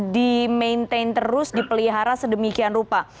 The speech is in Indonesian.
dimaintain terus dipelihara sedemikian rupa